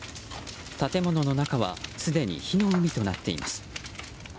建物の中はすでに火の海となっています。